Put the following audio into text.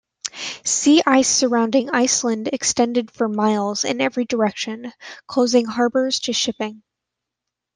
Sea ice surrounding Iceland extended for miles in every direction, closing harbors to shipping.